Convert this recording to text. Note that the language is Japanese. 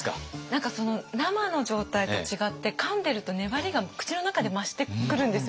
何か生の状態と違ってかんでると粘りが口の中で増してくるんですよね。